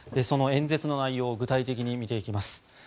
その演説の内容を具体的に見ていきます。